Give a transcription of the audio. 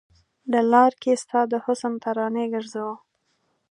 د لار کې ستا د حسن ترانې ګرځو